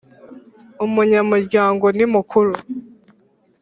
Umunyamuryango nimukuru.